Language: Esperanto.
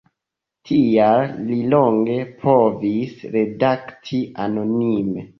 Tial li longe povis redakti anonime.